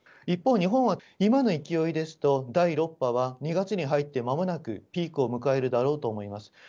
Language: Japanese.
一方、日本は今の勢いですと、第６波は２月に入ってまもなくピークを迎えるだろうと思います。